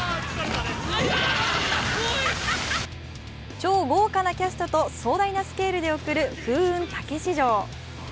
超豪華なキャストと壮大なスケールで送る「風雲！たけし城」。